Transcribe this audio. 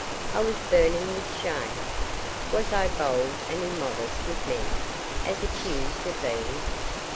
I was burning with shame. Was I bold and immodest with men, as accused of being?